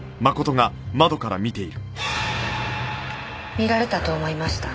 見られたと思いました。